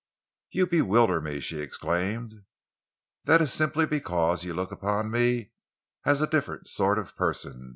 "You bewilder me!" she exclaimed. "That is simply because you looked upon me as a different sort of person.